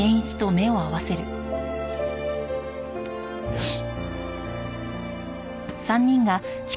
よし！